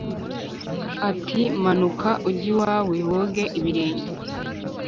ati “Manuka ujye iwawe woge ibirenge.”